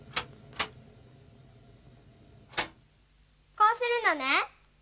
こうするのね。